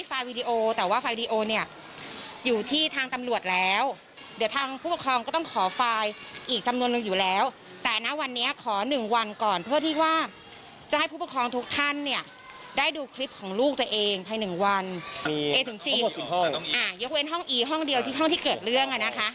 พอหมดสิ่งห้องอ่ายกเว้นห้องอีห้องเดียวที่เกิดเรื่องอ่ะนะคะ